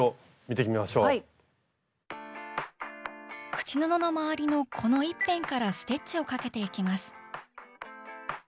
口布の周りのこの１辺からステッチをかけていきます。